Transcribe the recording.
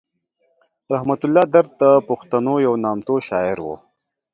رحمت الله درد د پښتنو یو نامتو شاعر و.